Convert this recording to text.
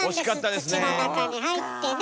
土の中に入ってね。